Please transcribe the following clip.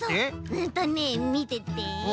うんとねみてて。